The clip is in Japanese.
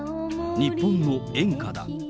日本の演歌だ。